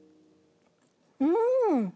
うん。